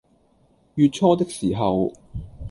月初的時候